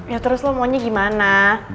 ya terus lo maunya gimana